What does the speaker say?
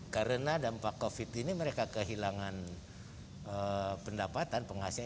karena dampak covid ini mereka kehilangan pendapatan penghasilan